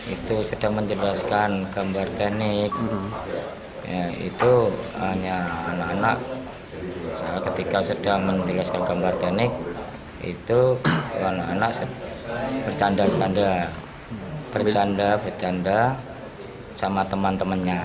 itu sudah menjelaskan gambar teknik ya itu hanya anak anak ketika sedang menjelaskan gambar teknik itu anak anak bercanda bercanda sama teman temannya